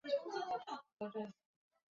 粟末靺鞨得名。